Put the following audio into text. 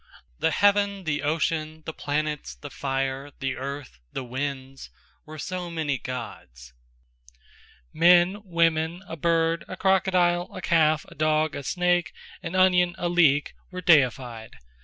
The Heaven, the Ocean, the Planets, the Fire, the Earth, the Winds, were so many Gods. Men, Women, a Bird, a Crocodile, a Calf, a Dogge, a Snake, an Onion, a Leeke, Deified.